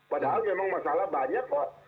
padahal memang masalah banyak kok